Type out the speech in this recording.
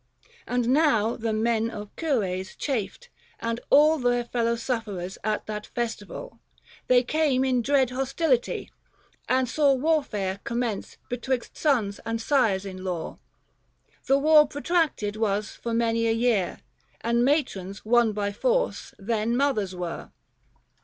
And now the men of Cures chafed, and all Their fellow sufferers at that festival. They came in dread hostility, and saw Warfare commence betwixt sons and sires in law. 215 The war protracted was for many a year, And matrons, won by force, then mothers were.